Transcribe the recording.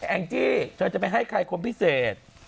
แองจี้เธอจะไปให้ใครคนพิเศษ